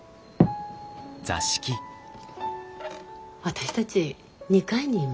私たち２階にいますね。